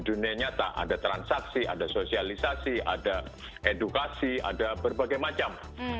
dunia nyata ada transaksi ada sosialisasi ada edukasi ada berbagai macam